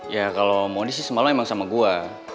ya kalo mondi sih semalam emang sama gue